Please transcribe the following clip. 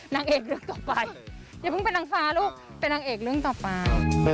นางเอกเรื่องต่อไปอย่าเพิ่งเป็นนางฟ้าลูกเป็นนางเอกเรื่องต่อไป